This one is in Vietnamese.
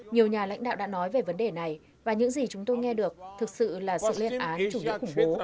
nhiều nhà lãnh đạo đã nói về vấn đề này và những gì chúng tôi nghe được thực sự là sự lên án chủ nghĩa khủng bố